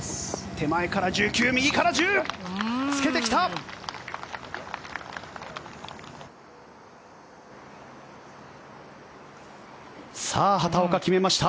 手前から１９右から１０つけてきた！